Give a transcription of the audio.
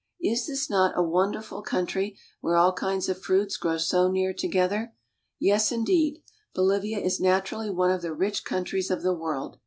Is this not a wonderful country where all kinds of fruits grow so near together? Yes, indeed; Bolivia is naturally one of the rich countries of the world.